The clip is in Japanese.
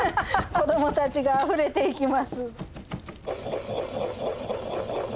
子どもたちがあふれていきます。